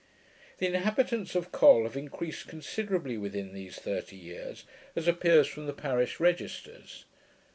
The inhabitants of Col have increased considerably within these thirty years, as appears from the parish registers.